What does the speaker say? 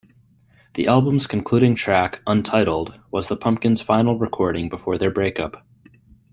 The album's concluding track, "Untitled", was the Pumpkins' final recording before their breakup.